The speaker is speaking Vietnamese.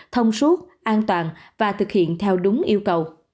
thông suốt an toàn và thực hiện theo đúng yêu cầu